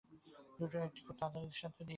দুটো একটা খুব তাজা দৃষ্টান্ত দিই তা হলে।